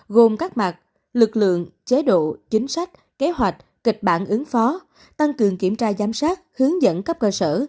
gồm các mặt lực lượng chế độ chính sách kế hoạch kịch bản ứng phó tăng cường kiểm tra giám sát hướng dẫn cấp cơ sở